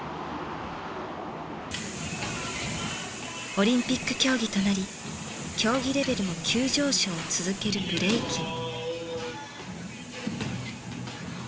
オリンピック競技となり競技レベルも急上昇を続けるブレイキン。